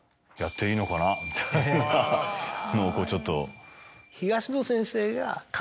みたいなのをこうちょっと。